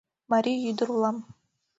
Марий ӱдыр улам.